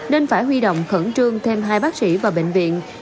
nên phải huy động khẩn trương thêm hai bác sĩ và bệnh viện